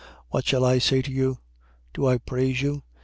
What shall I say to you? Do I praise you?